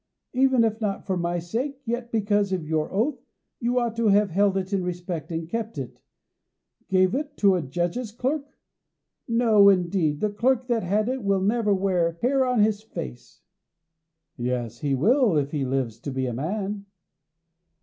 Even if not for my sake, yet because of your oath, you ought to have held it in respect, and kept it. Gave it to a judge's clerk! No, indeed, the clerk that had it will never wear hair on his face!" "Yes, he will, if he lives to be a man."